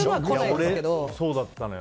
俺そうだったのよ。